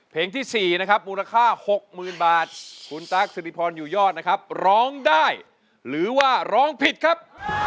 เพลงที่๔นะครับมูลค่า๖๐๐๐บาทคุณตั๊กสิริพรอยู่ยอดนะครับร้องได้หรือว่าร้องผิดครับ